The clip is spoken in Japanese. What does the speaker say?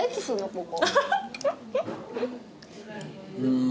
ここ。